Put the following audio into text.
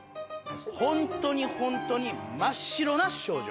ホントにホントに真っ白な少女。